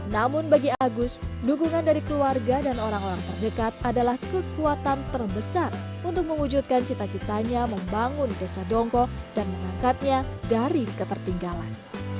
namun bagi agus dukungan dari keluarga dan orang orang terdekat adalah kekuatan terbesar untuk mewujudkan cita citanya membangun desa dongko dan mengangkatnya dari ketertinggalan